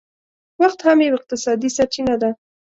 وخت هم یو اقتصادي سرچینه ده